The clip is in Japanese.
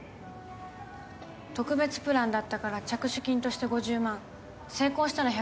特別プランだったから着手金として５０万成功したら１００万